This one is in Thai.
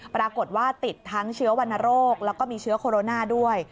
ปรากฏว่าติดทั้งเชื้อวรรณโรคแล้วก็มีเชื้อโคโรนาด้วย